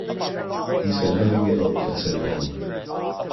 He's been living it up for too long.